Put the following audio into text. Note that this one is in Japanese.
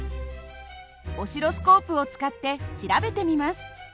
オシロスコープを使って調べてみます。